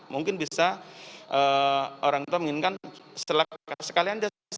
mungkin bisa orang tua menginginkan sekalian saja